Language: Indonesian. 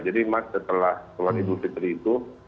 jadi mas setelah keluar ibu fitri itu